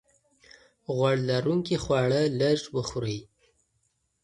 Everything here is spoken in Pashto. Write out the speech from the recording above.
غوړ لرونکي خواړه لږ وخورئ.